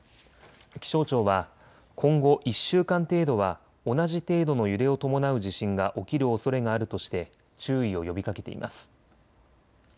気象庁は今後１週間程度は同じ程度の揺れを伴う地震が起きるおそれがあるとして注意を呼びかけています。